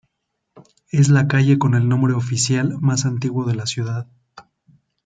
Es la calle con el nombre oficial más antiguo de la ciudad.